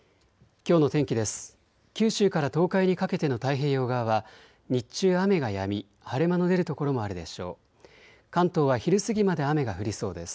きょうの天気です。